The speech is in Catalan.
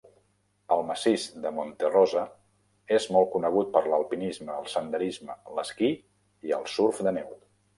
El massís del Monte Rosa és molt conegut per l'alpinisme, el senderisme, l'esquí i el surf de neu.